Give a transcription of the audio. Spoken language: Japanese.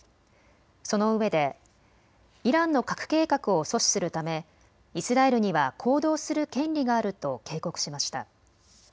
そのうえでイランの核計画を阻止するためイスラエルには行動する権利があると警告しました。